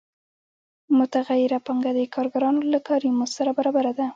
متغیره پانګه د کارګرانو له کاري مزد سره برابره ده